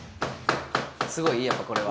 すごい？やっぱこれは。